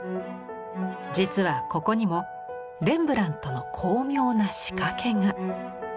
実はここにもレンブラントの巧妙な仕掛けが。